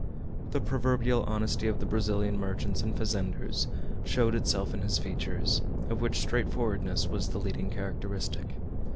The proverbial honesty of the Brazilian merchants and fazenders showed itself in his features, of which straightforwardness was the leading characteristic.